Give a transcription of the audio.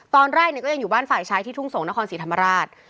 ตอนแรกก็ยังอยู่บ้านฝ่ายชายที่ทุ่งสงศนครศรีธรรมราช